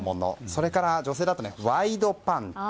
それから女性だとワイドパンツ